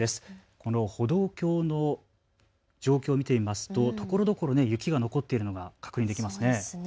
この歩道橋の状況を見てみますとところどころで雪が残っているのが確認できますね。